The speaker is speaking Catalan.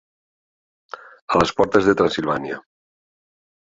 A les portes de Transilvània.